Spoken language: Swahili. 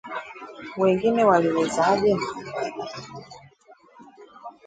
Wengine waliwezaje?